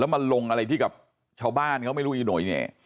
มาลงอะไรที่กับชาวบ้านเขาไม่รู้อีโน่เนี่ย